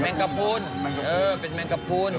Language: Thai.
แมงกะพุ่นเป็นแมงกะพุ่น